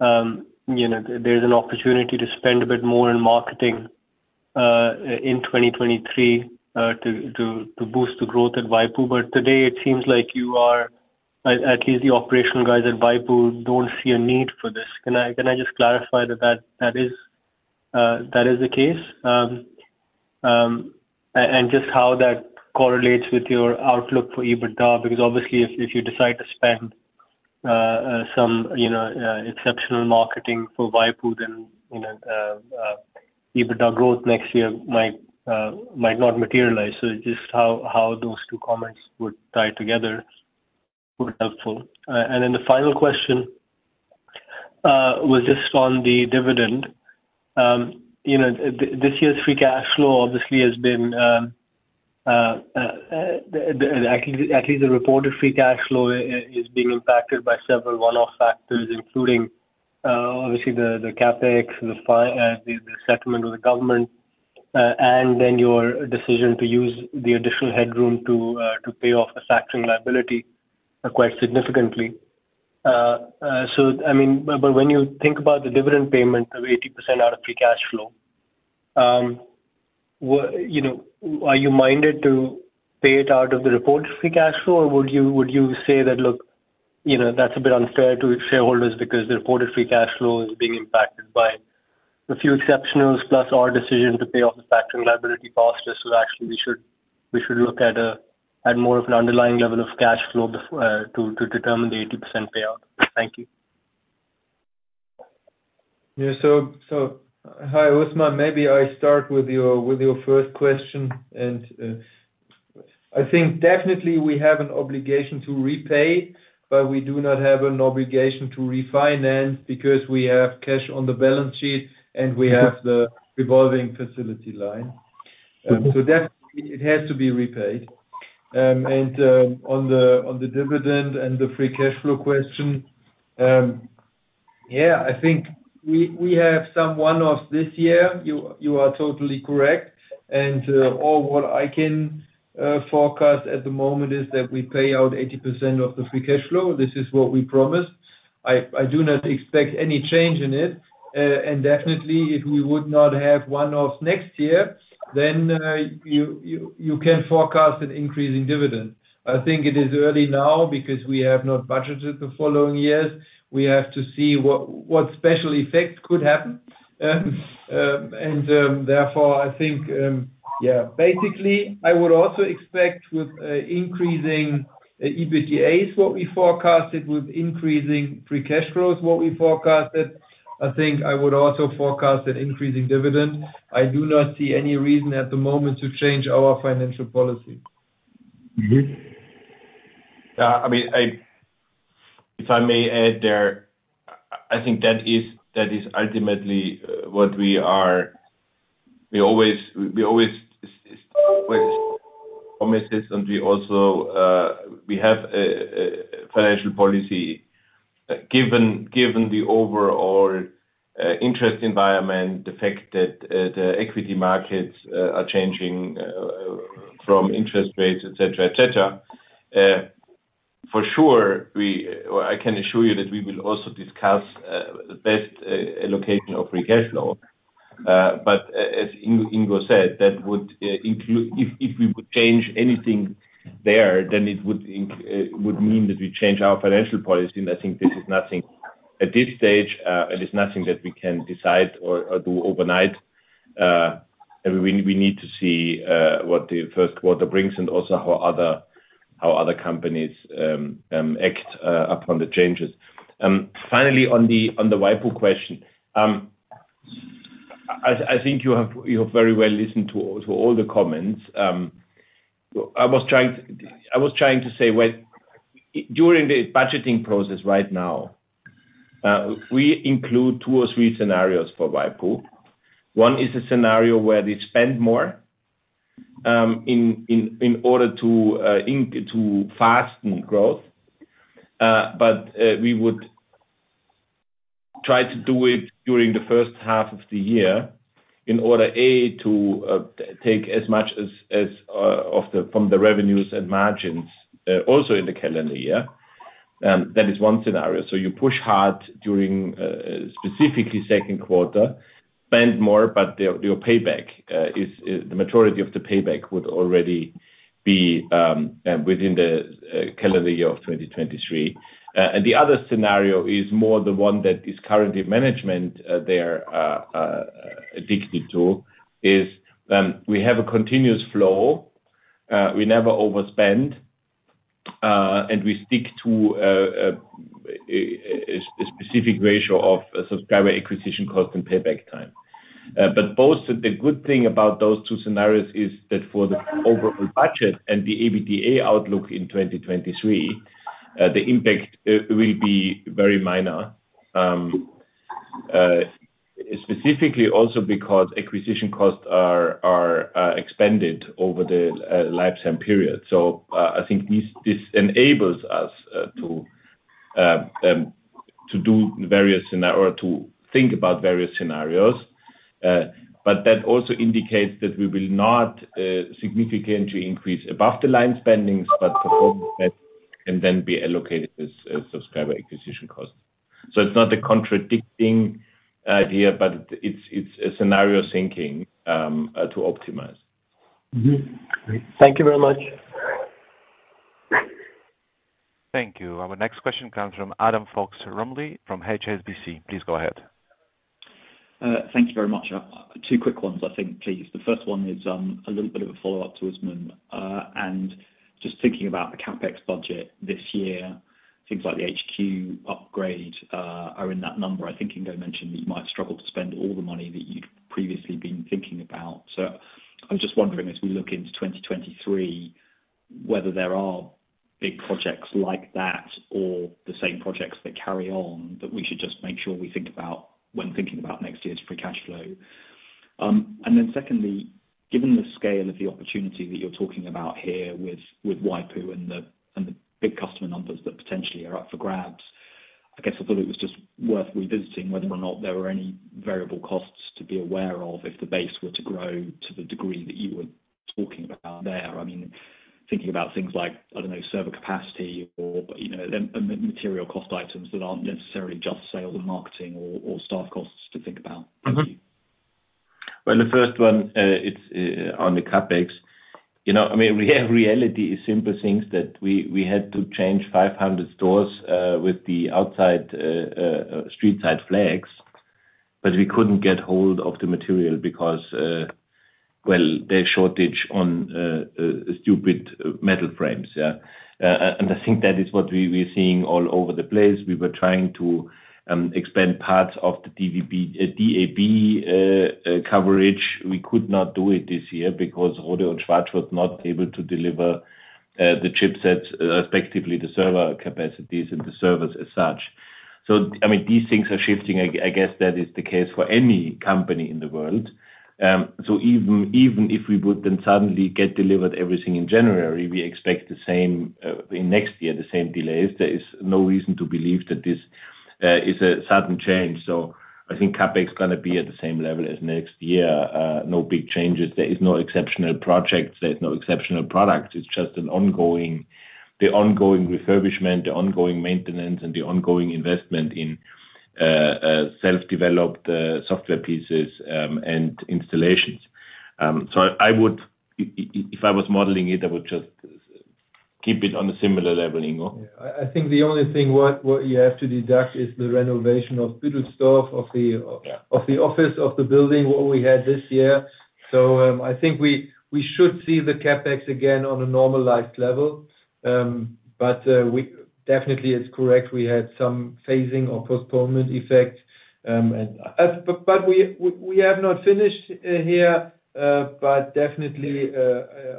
you know, there’s an opportunity to spend a bit more in marketing in 2023 to boost the growth at waipu. Today it seems like at least the operational guys at waipu don’t see a need for this. Can I just clarify that that is the case? Just how that correlates with your outlook for EBITDA, because obviously if you decide to spend some, you know, exceptional marketing for waipu, then, you know, EBITDA growth next year might not materialize. Just how those two comments would tie together would be helpful. The final question was just on the dividend, you know, this year's free cash flow obviously has been, at least the reported free cash flow is being impacted by several one-off factors, including obviously the CapEx, the settlement with the government, and then your decision to use the additional headroom to pay off the factoring liability quite significantly. I mean, when you think about the dividend payment of 80% out of free cash flow, what? You know, are you minded to pay it out of the reported free cash flow, or would you say that, look, you know, that's a bit unfair to shareholders because the reported free cash flow is being impacted by a few exceptionals, plus our decision to pay off the factoring liability cost, so actually we should look at more of an underlying level of cash flow to determine the 80% payout? Thank you. Hi, Usman. Maybe I start with your first question, and I think definitely we have an obligation to repay, but we do not have an obligation to refinance because we have cash on the balance sheet, and we have the revolving facility line. Mm-hmm. Definitely it has to be repaid. On the dividend and the free cash flow question, yeah, I think we have some one-offs this year. You are totally correct. All what I can forecast at the moment is that we pay out 80% of the free cash flow. This is what we promised. I do not expect any change in it. Definitely if we would not have one-offs next year, then you can forecast an increase in dividend. I think it is early now because we have not budgeted the following years. We have to see what special effects could happen. Therefore, I think, yeah, basically I would also expect with increasing EBITDAs what we forecasted, with increasing free cash flows what we forecasted, I think I would also forecast an increasing dividend. I do not see any reason at the moment to change our financial policy. Mm-hmm. I mean, if I may add there, I think that is ultimately what we are. We always have a financial policy. Given the overall interest environment, the fact that the equity markets are changing from interest rates, et cetera, for sure, I can assure you that we will also discuss the best allocation of free cash flow. As Ingo said, that would include if we would change anything there, then it would mean that we change our financial policy, and I think this is nothing at this stage, and it's nothing that we can decide or do overnight. We need to see what the first quarter brings and also how other companies act upon the changes. Finally, on the IPO question, I think you have very well listened to all the comments. I was trying to say during the budgeting process right now, we include two or three scenarios for IPO. One is a scenario where we spend more in order to hasten growth. We would try to do it during the first half of the year in order, A, to take as much as from the revenues and margins also in the calendar year. That is one scenario. You push hard during, specifically second quarter, spend more, but your payback is. The majority of the payback would already be within the calendar year of 2023. The other scenario is more the one that current management there is sticking to, we have a continuous flow. We never overspend, and we stick to a specific ratio of subscriber acquisition cost and payback time. Both, the good thing about those two scenarios is that for the overall budget and the EBITDA outlook in 2023, the impact will be very minor. Specifically also because acquisition costs are expended over the lifetime period. I think this enables us to think about various scenarios. That also indicates that we will not significantly increase above-the-line spending, but performance that can then be allocated as subscriber acquisition costs. It's not a contradicting idea, but it's a scenario thinking to optimize. Thank you very much. Thank you. Our next question comes from Adam Fox-Rumley from HSBC. Please go ahead. Thank you very much. Two quick ones I think, please. The first one is a little bit of a follow-up to Usman. Just thinking about the CapEx budget this year, things like the HQ upgrade are in that number. I think Ingo mentioned that you might struggle to spend all the money that you'd previously been thinking about. I was just wondering, as we look into 2023 whether there are big projects like that or the same projects that carry on that we should just make sure we think about when thinking about next year's free cash flow. Secondly, given the scale of the opportunity that you're talking about here with waipu.tv and the big customer numbers that potentially are up for grabs. I guess, I thought it was just worth revisiting whether or not there were any variable costs to be aware of if the base were to grow to the degree that you were talking about there. I mean, thinking about things like, I don't know, server capacity or, you know, and material cost items that aren't necessarily just sales and marketing or staff costs to think about. Well, the first one, it's on the CapEx. You know, I mean, in reality, it's simple things that we had to change 500 stores with the outside street side flags, but we couldn't get hold of the material because, well, there's shortage on stupid metal frames. Yeah. I think that is what we're seeing all over the place. We were trying to expand parts of the DAB coverage. We could not do it this year because Rohde & Schwarz was not able to deliver the chipsets, respectively, the server capacities and the servers as such. I mean, these things are shifting. I guess that is the case for any company in the world. Even if we would then suddenly get delivered everything in January, we expect the same in next year, the same delays. There is no reason to believe that this is a sudden change. I think CapEx gonna be at the same level as next year. No big changes. There is no exceptional projects. There is no exceptional product. It's just the ongoing refurbishment, the ongoing maintenance and the ongoing investment in self-developed software pieces, and installations. If I was modeling it, I would just keep it on a similar level, Ingo. Yeah. I think the only thing what you have to deduct is the renovation of Büdelsdorf staff of the Yeah. Of the office, of the building, what we had this year. I think we should see the CapEx again on a normalized level. Definitely, it's correct. We had some phasing or postponement effects. We have not finished here. Definitely,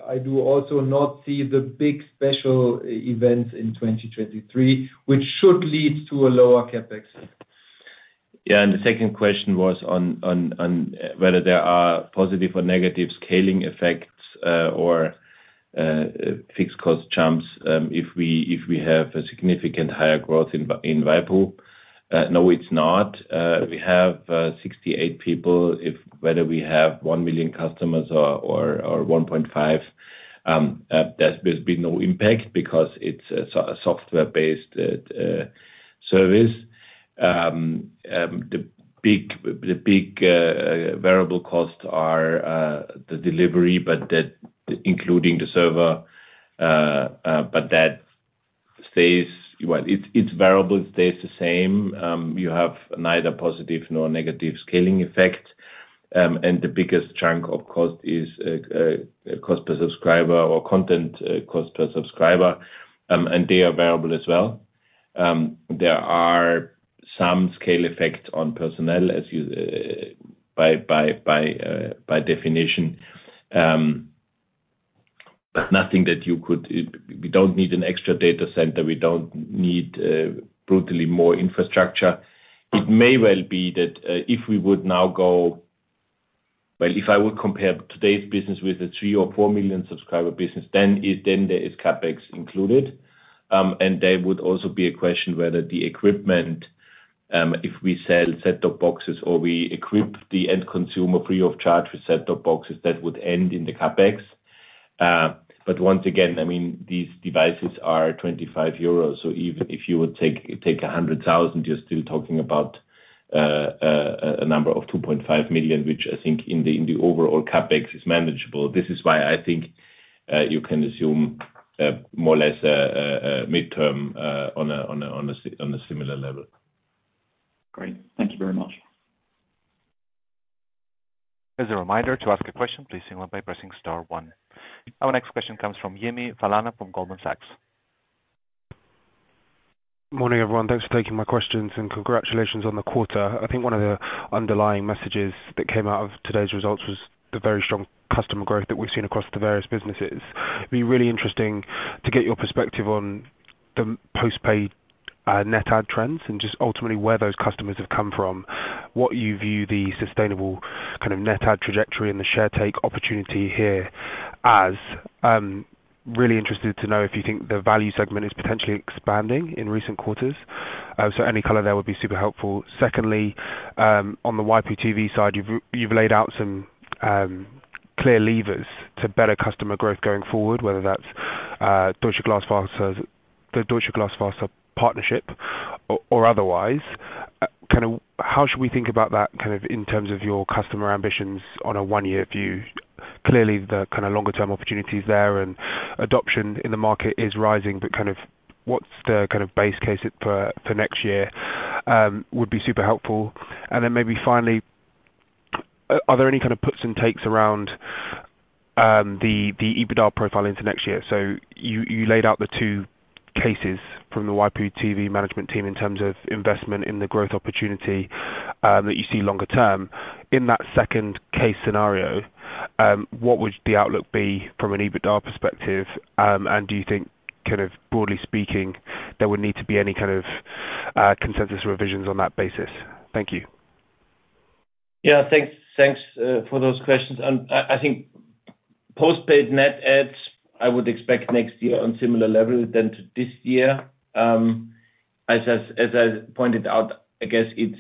I do also not see the big special events in 2023, which should lead to a lower CapEx. Yeah. The second question was on whether there are positive or negative scaling effects or fixed cost leverage if we have a significant higher growth in waipu.tv. No, it's not. We have 68 people. Whether we have 1 million customers or 1.5, there's been no impact because it's a software-based service. The big variable costs are the delivery, but that, including the server. But that stays the same. Well, its variable stays the same. You have neither positive nor negative scaling effect. The biggest chunk of cost is cost per subscriber or content cost per subscriber, and they are variable as well. There are some scale effects on personnel as you by definition. Nothing that you could. We don't need an extra data center. We don't need brutally more infrastructure. It may well be that if I would compare today's business with the 3 or 4 million subscriber business, then there is CapEx included. There would also be a question whether the equipment if we sell set-top boxes or we equip the end consumer free of charge with set-top boxes, that would end in the CapEx. Once again, I mean, these devices are 25 euros. Even if you would take 100,000, you're still talking about a number of 2.5 million, which I think in the overall CapEx is manageable. This is why I think you can assume, more or less, midterm, on a similar level. Great. Thank you very much. As a reminder to ask a question, please signal by pressing star one. Our next question comes from Yemi Falana from Goldman Sachs. Morning, everyone. Thanks for taking my questions and congratulations on the quarter. I think one of the underlying messages that came out of today's results was the very strong customer growth that we've seen across the various businesses. It'd be really interesting to get your perspective on the post-paid net add trends and just ultimately where those customers have come from. What you view the sustainable kind of net add trajectory and the share take opportunity here as. Really interested to know if you think the value segment is potentially expanding in recent quarters. So any color there would be super helpful. Secondly, on the IPTV side, you've laid out some clear levers to better customer growth going forward, whether that's Deutsche Glasfaser's the Deutsche Glasfaser partnership or otherwise. Kind of how should we think about that kind of in terms of your customer ambitions on a one-year view? Clearly, the kind of longer term opportunities there and adoption in the market is rising, but kind of what's the kind of base case for next year would be super helpful. Maybe finally, are there any kind of puts and takes around the EBITDA profile into next year? You laid out the two cases from the waipu.tv management team in terms of investment in the growth opportunity that you see longer term. In that second case scenario, what would the outlook be from an EBITDA perspective? Do you think kind of broadly speaking, there would need to be any kind of consensus revisions on that basis? Thank you. Yeah, thanks for those questions. I think postpaid net adds, I would expect next year on similar levels to this year. As I pointed out, I guess it's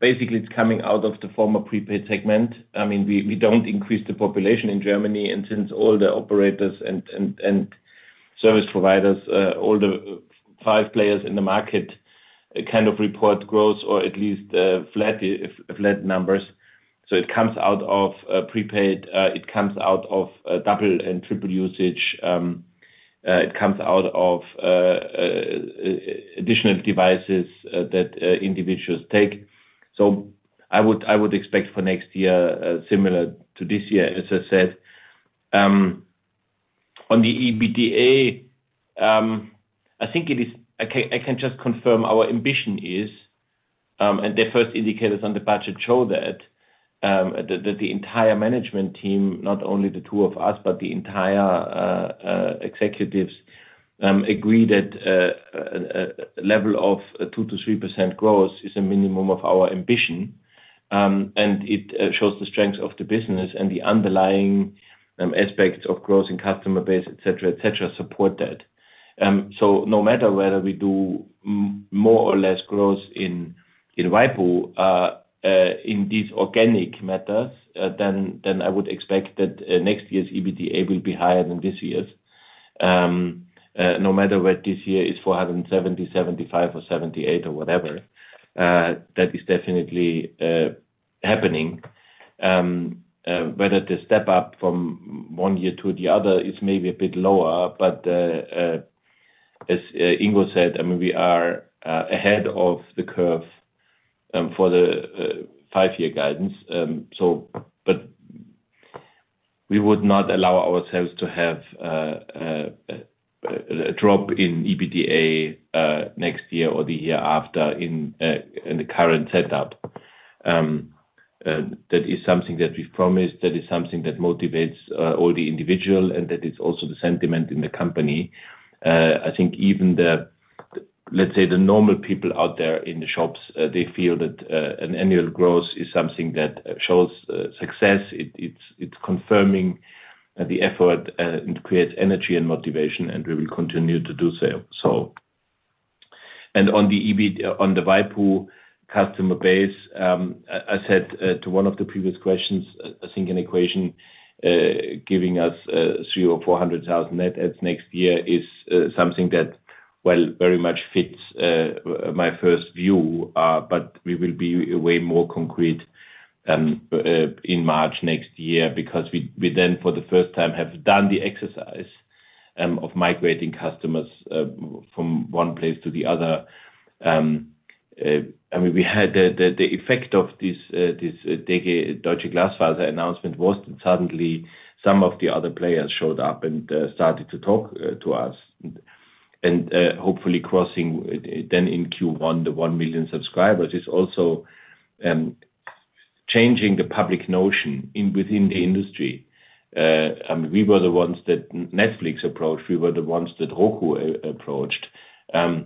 basically coming out of the former prepaid segment. I mean, we don't increase the population in Germany, and since all the operators and service providers, all the five players in the market kind of report growth or at least flat numbers. It comes out of prepaid, it comes out of double and triple usage. It comes out of additional devices that individuals take. I would expect for next year similar to this year, as I said. On the EBITDA, I can just confirm our ambition is the first indicators on the budget show that the entire management team, not only the two of us, but the entire executives, agree that a level of 2%-3% growth is a minimum of our ambition. It shows the strength of the business and the underlying aspects of growth in customer base, et cetera, et cetera, support that. No matter whether we do more or less growth in waipu.tv, in these organic methods, then I would expect that next year's EBITDA will be higher than this year's. No matter what this year is 470, 475 or 478 or whatever, that is definitely happening. Whether the step up from one year to the other is maybe a bit lower. As Ingo said, I mean, we are ahead of the curve for the five-year guidance. We would not allow ourselves to have a drop in EBITDA next year or the year after in the current setup. That is something that we've promised, that is something that motivates all the individuals, and that is also the sentiment in the company. I think even, let's say, the normal people out there in the shops, they feel that an annual growth is something that shows success. It's confirming the effort and creates energy and motivation, and we will continue to do so. On the waipu.tv customer base, I said to one of the previous questions, I think an estimation giving us 300,000-400,000 net adds next year is something that, well, very much fits my first view. But we will be way more concrete in March next year because we then, for the first time, have done the exercise of migrating customers from one place to the other. I mean, we had the effect of this Deutsche Glasfaser announcement was that suddenly some of the other players showed up and started to talk to us. Hopefully crossing then in Q1 the 1 million subscribers is also changing the public notion within the industry. I mean, we were the ones that Netflix approached. We were the ones that Roku approached. I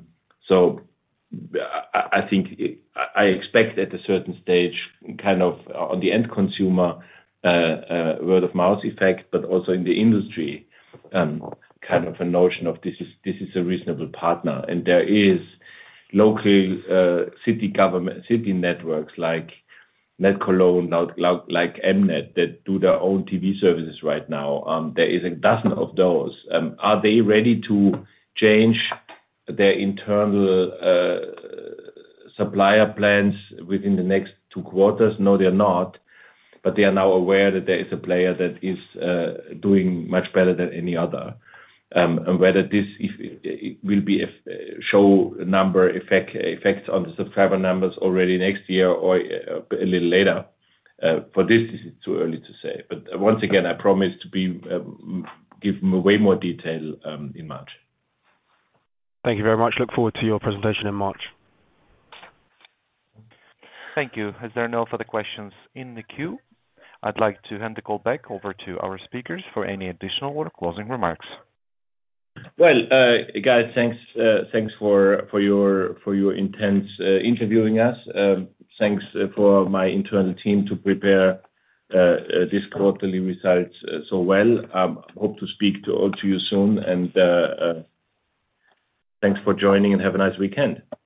think I expect at a certain stage kind of on the end consumer word of mouth effect, but also in the industry kind of a notion of this is a reasonable partner. There is local city government city networks like NetCologne, like M-net, that do their own TV services right now. There is a dozen of those. Are they ready to change their internal supplier plans within the next two quarters? No, they are not. They are now aware that there is a player that is doing much better than any other. Whether this will be a snowball effect on the subscriber numbers already next year or a little later, for this, it's too early to say. Once again, I promise to give way more detail in March. Thank you very much. Look forward to your presentation in March. Thank you. As there are no further questions in the queue, I'd like to hand the call back over to our speakers for any additional or closing remarks. Well, guys, thanks for your interest in interviewing us. Thanks to my internal team to prepare this quarterly results so well. Hope to speak to all of you soon, and thanks for joining, and have a nice weekend.